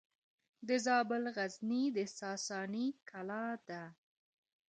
د زابل غزنیې د ساساني کلا ده